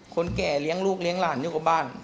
คนแก่เลี้ยงลูกเลี้ยงหลานอยู่กับบ้าน